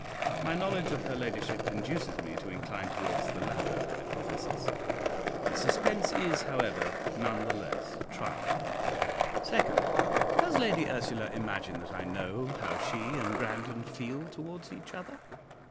My knowledge of her ladyship induces me to incline towards the latter hypothesis; the suspense is, however, none the less trying. Second, Does Lady Ursula imagine that I know how she and Grandon feel towards each other?